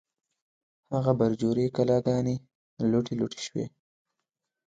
هغه برجورې کلاګانې، لوټې لوټې شوې